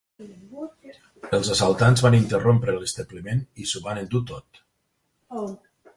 Els assaltants van irrompre a l'establiment i s'ho van endur tot.